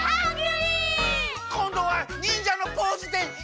こんどはにんじゃのポーズでハングリー！